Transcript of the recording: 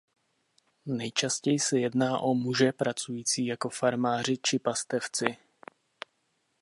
Nejčastěji se jedná o muže pracující jako farmáři či pastevci.